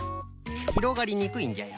ひろがりにくいんじゃよ。